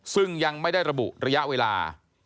ซึ่งยังไม่ได้ระบุระยะเวลา